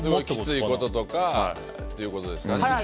きついこととかっていうことですかね。